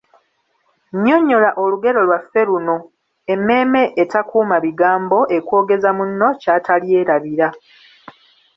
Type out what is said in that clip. Nnyonnyola olugero lwaffe luno: Emmeeme etakuuma bigambo ekwogeza munno ky'atalyerabira.